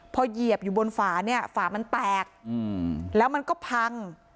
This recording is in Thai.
พอเหยียบอยู่บนฝาเนี่ยฝามันแตกแล้วมันก็พัง